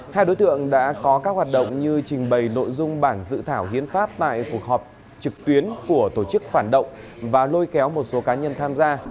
hai đối tượng đã có các hoạt động như trình bày nội dung bản dự thảo hiến pháp tại cuộc họp trực tuyến của tổ chức phản động và lôi kéo một số cá nhân tham gia